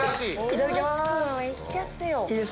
大橋君いっちゃってよ！